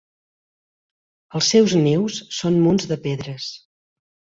Els seus nius són munts de pedres.